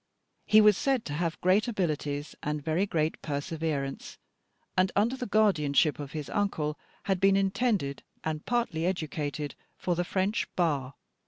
He was said to have great abilities and very great perseverance, and under the guardianship of his uncle had been intended and partly educated for the French Bar.